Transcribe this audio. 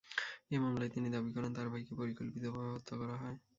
এ মামলায় তিনি দাবি করেন, তাঁর ভাইকে পরিকল্পিতভাবে হত্যা করা হয়।